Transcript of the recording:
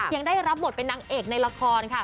ยังได้รับบทเป็นนางเอกในละครค่ะ